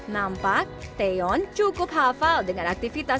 nampak taeyeon cukup hafal dengan aktivitasnya